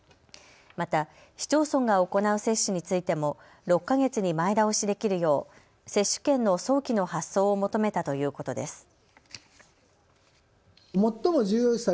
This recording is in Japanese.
また市町村が行う接種についても６か月に前倒しできるよう接種券の早期の発送を求めたということです。